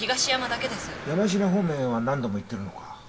山科方面へは何度も行ってるのか。